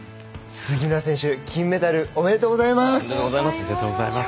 杉村選手、金メダルおめでとうございます。